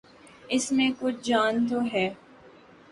اس میں کچھ جان تو ہے۔